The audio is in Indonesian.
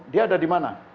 dia ada di mana